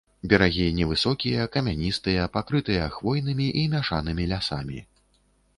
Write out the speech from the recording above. Берагі невысокія, камяністыя, пакрытыя хвойнымі і мяшанымі лясамі.